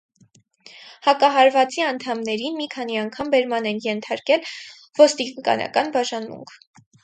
«Հակահարվածի» անդամներին մի քանի անգամ բերման են ենթարկել ոստիկանանակն բաժանմունք։